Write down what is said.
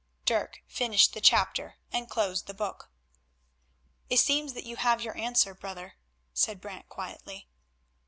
Dirk finished the chapter and closed the Book. "It seems that you have your answer, Brother," said Brant quietly.